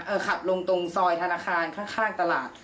ขับลงตรงซอยธนาคารข้างตลาด